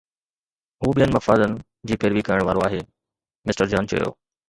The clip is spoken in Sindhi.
هو ٻين مفادن جي پيروي ڪرڻ وارو آهي، مسٽر جان چيو